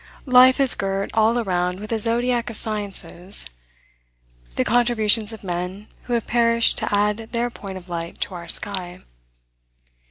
Life is girt all around with a zodiac of sciences, the contributions of men who have perished to add their point of light to our sky.